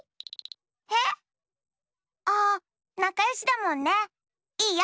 へえっ？あっなかよしだもんね。いいよ。